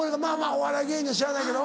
お笑い芸人はしゃあないけど。